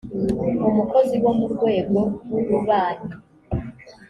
umukozi wo mu rwego rw ububanyi